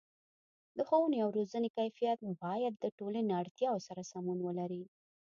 د ښوونې او روزنې کیفیت باید د ټولنې اړتیاو سره سمون ولري.